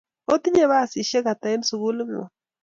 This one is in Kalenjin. Otinye basisyek ata eng sukuli ng'wong'?